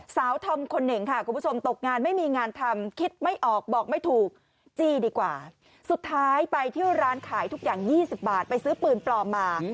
ธอมคนหนึ่งค่ะคุณผู้ชมตกงานไม่มีงานทำคิดไม่ออกบอกไม่ถูกจี้ดีกว่าสุดท้ายไปที่ร้านขายทุกอย่าง๒๐บาทไปซื้อปืนปลอมมา